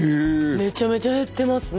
めちゃめちゃ減ってますね。